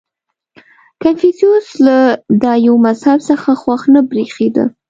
• کنفوسیوس له دایو مذهب څخه خوښ نه برېښېده.